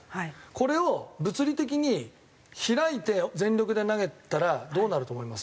これを物理的に開いて全力で投げたらどうなると思います？